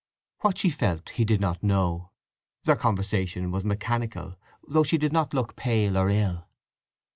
What she felt he did not know; their conversation was mechanical, though she did not look pale or ill.